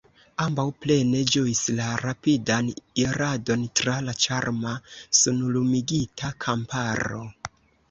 Ambaŭ plene ĝuis la rapidan iradon tra la ĉarma, sunlumigita kamparo.